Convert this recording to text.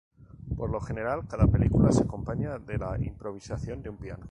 Por lo general, cada película se acompaña de la improvisación de un piano.